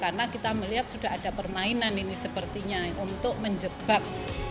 karena kita melihat sudah ada permainan ini sepertinya untuk menjebak